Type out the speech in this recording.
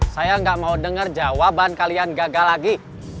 saya gak mau denger jawaban kalian gagal lagi